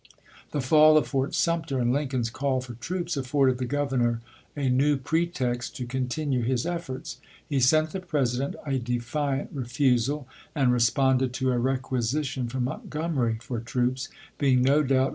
The fall of Fort Sumter and Lincoln's call for troops afforded the Governor a new pretext to con tinue his efforts. He sent the President a defiant refusal, and responded to a requisition from Montgomery for troops, being no doubt under secret promises to the rebellion.